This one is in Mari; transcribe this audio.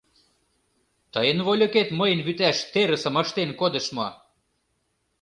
Тыйын вольыкет мыйын вӱташ терысым ыштен кодыш мо?